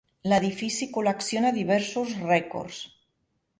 L'edifici col·lecciona diversos rècords.